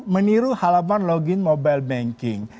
meniru halaman login mobile banking